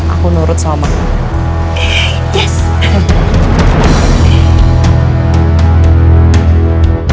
aku nurut sama kamu